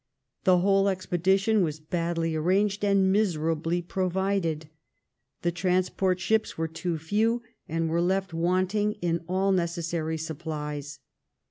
The whole expedition was badly arranged and miser ably provided. The transport ships were too few, and were left wanting in all necessary supplies.